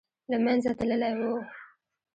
له منځه تللی وو.